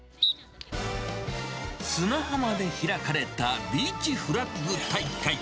砂浜で開かれたビーチフラッグ大会。